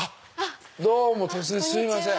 どうも突然すいません。